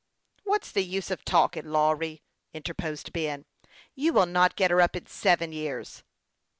" What's the use of talking, Lawry ?" interposed Ben. " You'll not get her up in seven years."